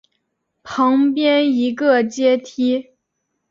旁边一个阶梯